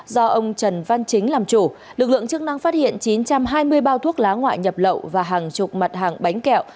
do ông trần văn chính làm chủ lực lượng chức năng phát hiện chín trăm hai mươi bao thuốc lá ngoại nhập lậu và hàng chục mặt hàng bánh kẹo